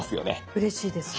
うれしいです。